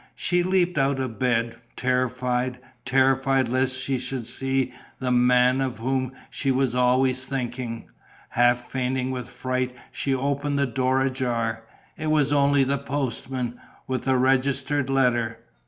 She leapt out of bed, terrified, terrified lest she should see the man of whom she was always thinking. Half fainting with fright, she opened the door ajar. It was only the postman, with a registered letter